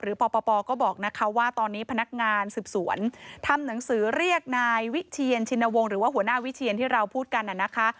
ปปก็บอกนะคะว่าตอนนี้พนักงานสืบสวนทำหนังสือเรียกนายวิเชียนชินวงศ์หรือว่าหัวหน้าวิเชียนที่เราพูดกันน่ะนะคะ